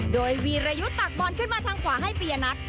โดยวีรยุทธ์ตักบอลขึ้นมาทางขวาให้ปียนัท